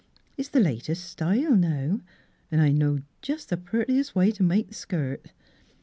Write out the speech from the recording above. It's the latest style now ; 'n' I know just the prettiest way to make the skirt."